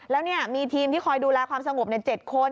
แล้วมีทีมที่คอยดูแลความสงบ๗คน